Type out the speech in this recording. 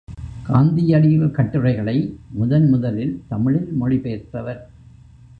காந்தியடிகள் கட்டுரைகளை முதன் முதலில் தமிழில் மொழிபெயர்த்தவர்.